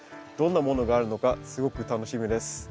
どんなものがあるのかすごく楽しみです。